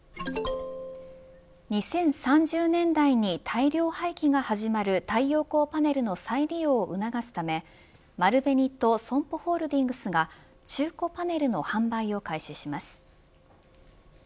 ２０３０年代に大量廃棄が始まる太陽光パネルの再利用を促すため丸紅とＳＯＭＰＯホールディングスが中古パネルの販売を開始します。